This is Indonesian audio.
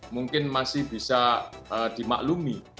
mungkin masih bisa dimaklumi